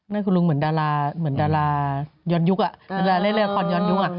นั่นคุณลุงเหมือนดาราย้อนยุคอ่ะเล่นละครย้อนยุคอ่ะ